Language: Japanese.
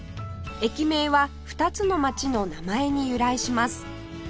駅名は２つの町の名前に由来します